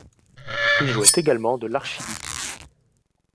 Il jouait également de l'archiluth.